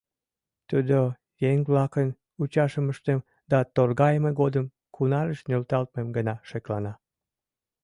Тудо еҥ-влакын ӱчашымыштым да торгайыме годым кунарыш нӧлталтмым гына шеклана.